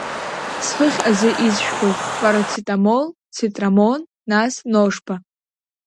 Схыхь азы изжәқәоз, перацетам, цитрамон, нас ношԥа…